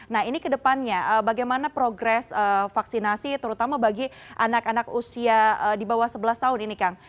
nah ini kedepannya bagaimana progres vaksinasi terutama bagi anak anak usia di bawah sebelas tahun ini kang